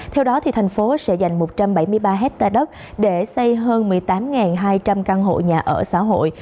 theo đó thành phố sẽ dành một trăm bảy mươi ba hectare đất để xây hơn một mươi tám hai trăm linh căn hộ nhà ở xã hội